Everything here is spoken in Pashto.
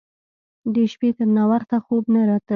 د شپې تر ناوخته خوب نه راته.